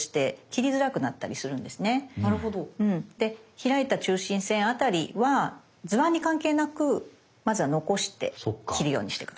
開いた中心線あたりは図案に関係なくまずは残して切るようにして下さい。